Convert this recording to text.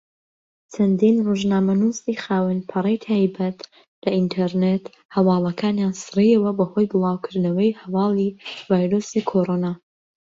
چەندین ڕۆژنامەنووسی خاوەن پەڕەی تایبەت لە ئینتەرنێت هەواڵەکانیان سڕیەوە بەهۆی بڵاوکردنەوەی هەواڵی ڤایرۆسی کۆڕۆنا.